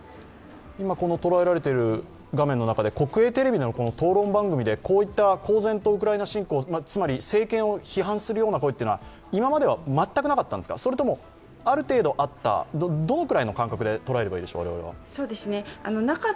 今、捉えられている画面の中で国営テレビの討論番組で、こういった公然とウクライナ侵攻、つまり政権を批判するような声は、今までは全くなかったんですか、それとも、ある程度あった、どのくらいの感覚でとらえればいいでしょうか？